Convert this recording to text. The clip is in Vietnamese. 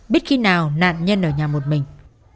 biết khi nào nạn nhân ở nhà một mình